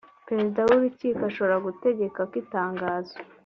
perezida w urukiko ashobora gutegeka ko itangazo